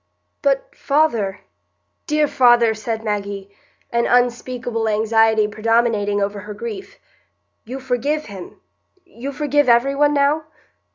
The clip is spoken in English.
"But, father, dear father," said Maggie, an unspeakable anxiety predominating over her grief, "you forgive him—you forgive every one now?"